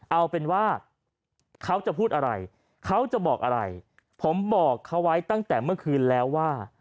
เอาเป็นว่าเขาจะพูดอะไรเขาจะบอกอะไรผมบอกเขาไว้ตั้งแต่เมื่อคืนแล้วว่า